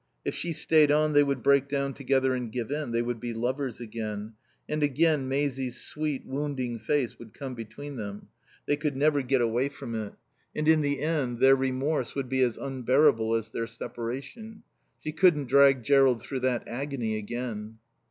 If she stayed on they would break down together and give in; they would be lovers again, and again Maisie's sweet, wounding face would come between them; they could never get away from it; and in the end their remorse would be as unbearable as their separation. She couldn't drag Jerrold through that agony again.